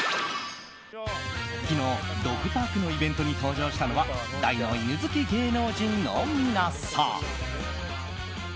昨日ドッグパークのイベントに登場したのは大の犬好き芸能人の皆さん。